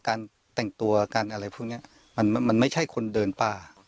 การแต่งตัวการอะไรพวกนี้มันไม่ใช่คนเดินป่า